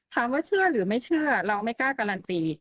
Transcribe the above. ว่าเชื่อหรือไม่เชื่อเราไม่กล้าการันตี